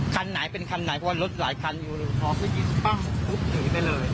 คันไหนเป็นคันไหนเพราะว่ารถหลายคันอยู่อ๋อก็ยินปั้งหลุบหยุดไปเลย